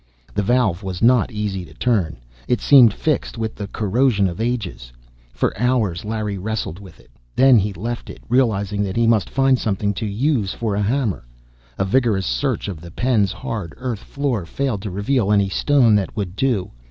The valve was not easy to turn; it seemed fixed with the corrosion of ages. For hours Larry wrestled with it. Then he left it, realizing that he must find something to use for a hammer. A vigorous search of the pen's hard earth floor failed to reveal any stone that would do.